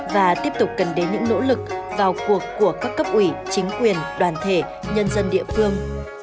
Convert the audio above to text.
và tiếp tục cần đến những nỗ lực vào cuộc của các cấp ủy chính quyền đoàn thể nhân dân địa phương